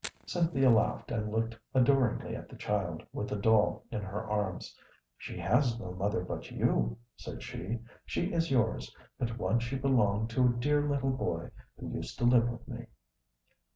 Cynthia laughed and looked adoringly at the child with the doll in her arms. "She has no mother but you," said she. "She is yours, but once she belonged to a dear little boy, who used to live with me."